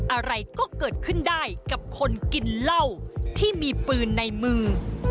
อะไรก็เกิดขึ้นได้กับคนกินเหล้าที่มีปืนในมือ